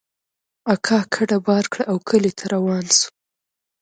اکا کډه بار کړه او کلي ته روان سو.